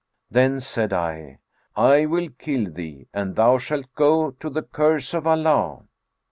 Then said I, 'I will kill thee, and thou shalt go to the curse of Allah.'